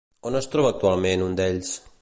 On es troba actualment un d'ells?